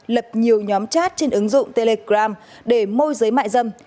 lập nhiều nhóm chat trên ứng dụng telegram để môi giới mại dâm